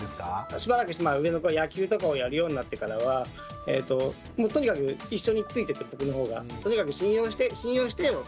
しばらくして上の子が野球とかをやるようになってからはとにかく一緒についてって僕のほうが。